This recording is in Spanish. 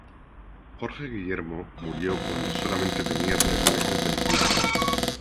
Jorge Guillermo murió cuando solamente tenía tres meses de nacido.